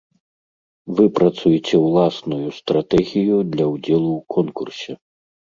Выпрацуйце ўласную стратэгію для ўдзелу ў конкурсе.